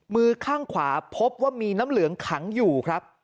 มือข้างขวาพบว่ามีน้ำเหลืองขังอยู่ครับ